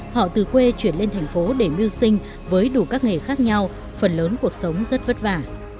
họ từ quê chuyển lên thành phố để mưu sinh với đủ các nghề khác nhau phần lớn cuộc sống rất vất vả